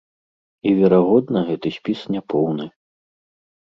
І, верагодна, гэты спіс няпоўны.